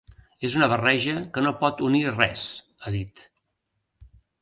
És una barreja que no pot unir res, ha dit.